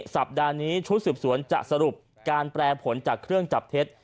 สัปดาห์นี้ชุดสืบสวนจะสรุปการแปรผลจากเครื่องจับเท็จ